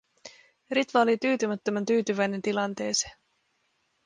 Ritva oli tyytymättömän tyytyväinen tilanteeseen.